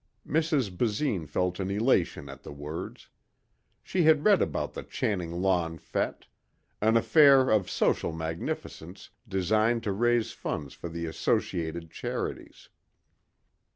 Mrs. Basine felt an elation at the words. She had read about the Channing lawn fête. An affair of social magnificence designed to raise funds for the Associated Charities.